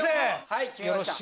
はい決めました。